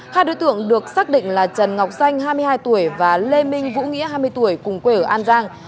hai đối tượng được xác định là trần ngọc danh hai mươi hai tuổi và lê minh vũ nghĩa hai mươi tuổi cùng quê ở an giang